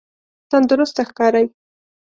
تندرسته ښکاری؟